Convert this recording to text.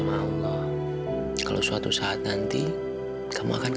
mau susu atau air mas